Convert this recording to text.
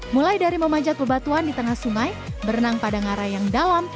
mulai dari memanjat bebatuan di tengah sungai berenang pada ngarai yang dalam